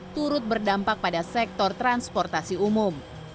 turut berdampak pada sektor transportasi umum